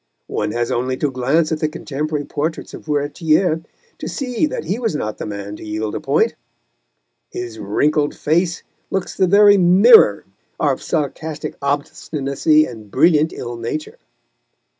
One has only to glance at the contemporary portraits of Furetière to see that he was not the man to yield a point; his wrinkled face looks the very mirror of sarcastic obstinacy and brilliant ill nature.